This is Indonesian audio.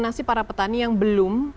nasib para petani yang belum